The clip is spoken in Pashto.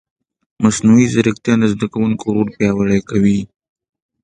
مصنوعي ځیرکتیا د زده کوونکي رول پیاوړی کوي.